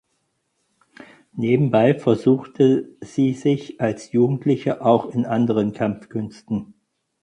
Nebenbei versuchte sie sich als Jugendliche auch in anderen Kampfkünsten.